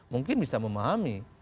mungkin bisa memahami